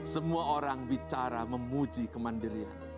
semua orang bicara memuji kemandirian